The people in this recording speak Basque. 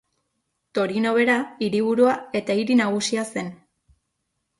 Torino bera hiriburua eta hiri nagusia zen.